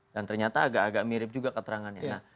dan ternyata agak agak mirip juga keterangannya